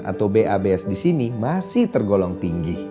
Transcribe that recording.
atau babs di sini masih tergolong tinggi